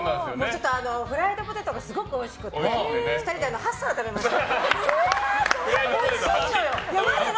フライドポテトがすごいおいしくて２人で８皿食べました。